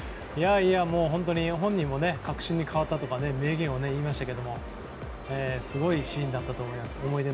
本当に本人も確信に変わったとか名言を言いましたけどもすごいシーンだったと思います。